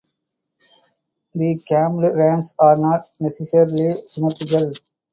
The cammed ramps are not necessarily symmetrical.